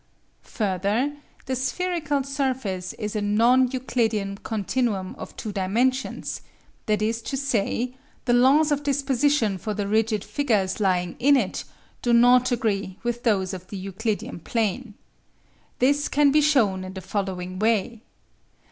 Further, the spherical surface is a non Euclidean continuum of two dimensions, that is to say, the laws of disposition for the rigid figures lying in it do not agree with those of the Euclidean plane. This can be shown in the following way.